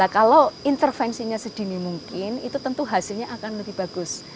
kalau intervensinya sedini mungkin itu tentu hasilnya akan lebih bagus